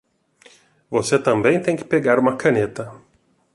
Você também tem que pegar uma caneta.